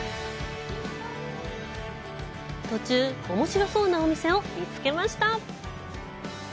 途中、おもしろそうなお店を見つけました。